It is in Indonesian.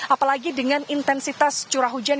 apalagi dengan intensitas curah hujan